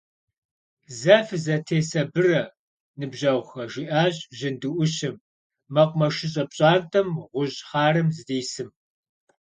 Зэ фызэтесабырэ, ныбжьэгъухэ! – жиӀащ жьынду Ӏущым, мэкъумэшыщӀэ пщӀантӀэм гъущӀ хъарым здисым.